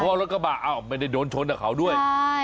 เพราะรถกระบะอ้าวไม่ได้โดนชนกับเขาด้วย